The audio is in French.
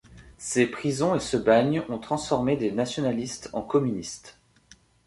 Ces prisons et ce bagne ont transformé des nationalistes en communistes.